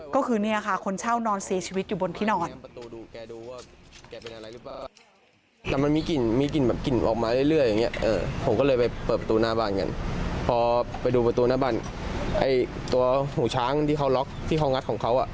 ก็คือเนี่ยค่ะคนเช่านอนเสียชีวิตอยู่บนที่นอน